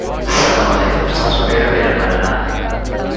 Its main port is Volos.